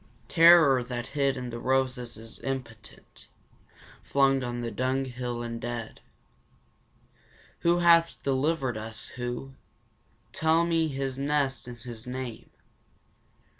Terror that hid in the roses is impotent flung on the dung hill and dead! Who hath delivered us, who? Tell me his nest and his name.